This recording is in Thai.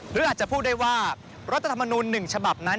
หรืออาจจะพูดได้ว่ารัฐธรรมนูล๑ฉบับนั้น